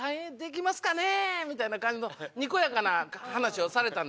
みたいな感じのにこやかな話をされたんですよ。